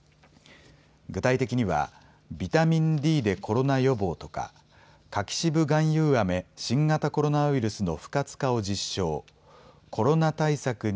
具体的にはビタミンＤでコロナ予防とか、柿渋含有飴新型コロナウイルスの不活化を実証、コロナ対策に！